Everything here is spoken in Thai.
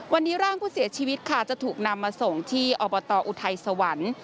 วันนี้ร่างผู้เสียชีวิตค่ะจะถูกนำมาส่งที่อบตอุทัยสวรรค์